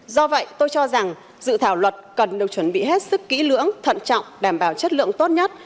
do vậy tôi cho rằng dự thảo luật cần được chuẩn bị hết sức kỹ lưỡng thận trọng đảm bảo chất lượng tốt nhất